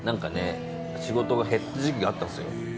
仕事が減った時期があったんですよ。